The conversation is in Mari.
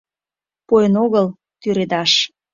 пуэн огыл тӱредаш